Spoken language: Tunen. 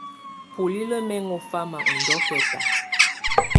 Bulilǝ́ mɛ ŋɔ fama ɔ ndɔ́kɛta.